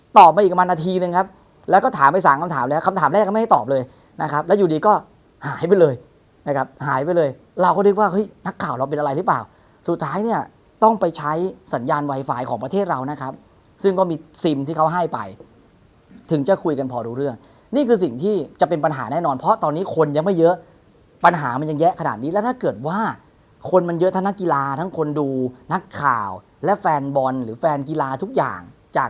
สั่งคำถามแล้วคำถามแรกก็ไม่ให้ตอบเลยนะครับแล้วอยู่ดีก็หายไปเลยนะครับหายไปเลยเราก็ดึกว่าเฮ้ยนักข่าวเราเป็นอะไรหรือเปล่าสุดท้ายเนี่ยต้องไปใช้สัญญาณไวไฟของประเทศเรานะครับซึ่งก็มีซิมที่เขาให้ไปถึงจะคุยกันพอดูเรื่องนี่คือสิ่งที่จะเป็นปัญหาแน่นอนเพราะตอนนี้คนยังไม่เยอะปัญหามันยังแยะขน